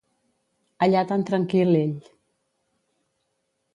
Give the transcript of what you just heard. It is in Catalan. Allà tan tranquil, ell.